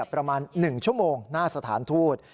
ประมาณ๑ชั่วโมงหน้าสถานทูต